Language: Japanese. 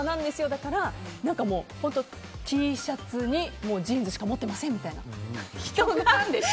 だからＴシャツにジーンズしか持ってませんみたいな。